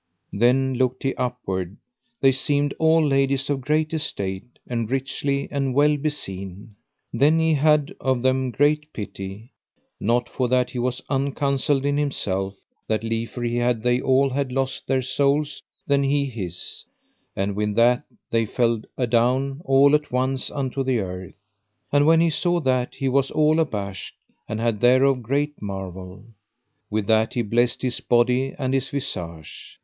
Then looked he upward, they seemed all ladies of great estate, and richly and well beseen. Then had he of them great pity; not for that he was uncounselled in himself that liefer he had they all had lost their souls than he his, and with that they fell adown all at once unto the earth. And when he saw that, he was all abashed, and had thereof great marvel. With that he blessed his body and his visage.